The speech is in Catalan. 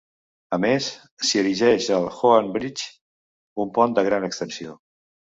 A més, s'hi erigeix el Hoan Bridge, un pont de gran extensió.